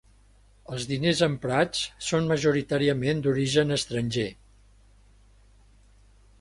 Els diners emprats són majoritàriament d'origen estranger.